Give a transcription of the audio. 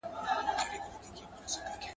• لوى ئې پر کور کوي، کوچنی ئې پر بېبان.